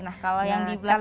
nah kalau yang di belakang